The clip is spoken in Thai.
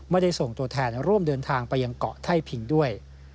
ไม่ได้ส่งตัวแทนร่วมเดินทางไปยังเกาะไท่พิงด้วย